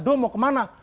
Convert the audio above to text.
do mau kemana